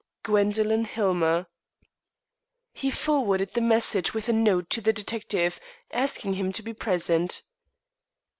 "GWENDOLINE HILLMER." He forwarded the message with a note to the detective, asking him to be present.